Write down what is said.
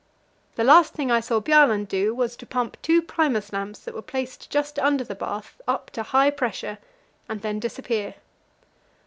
The last thing I saw Bjaaland do was to pump two Primus lamps that were placed just under the bath up to high pressure, and then disappear.